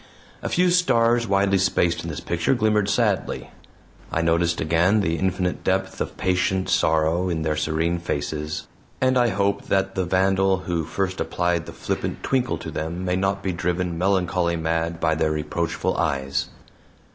A few stars widely spaced in this picture glimmered sadly. I noticed again the infinite depth of patient sorrow in their serene faces; and I hope that the vandal who first applied the flippant "twinkle" to them may not be driven melancholy mad by their reproachful eyes.